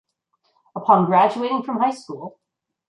Upon graduating from high school.